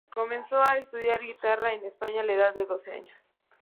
Comenzó a estudiar guitarra en España a la edad de doce años.